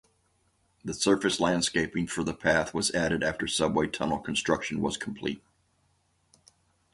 The surface landscaping for the path was added after subway tunnel construction was complete.